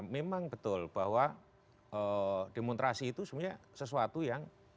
memang betul bahwa demonstrasi itu sebenarnya sesuatu yang